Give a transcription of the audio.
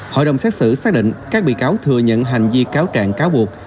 hội đồng xét xử xác định các bị cáo thừa nhận hành vi cáo trạng cáo buộc